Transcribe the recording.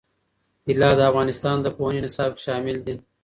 طلا د افغانستان د پوهنې نصاب کې شامل دي.